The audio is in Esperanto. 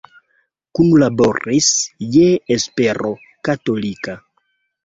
Kunlaboris je Espero Katolika.